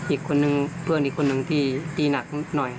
อีกคนนึงเพื่อนอีกคนนึงที่ตีหนักหน่อย